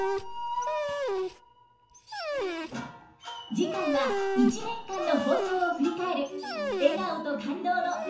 次回は１年間の放送を振り返る笑顔と感動の名場面集です。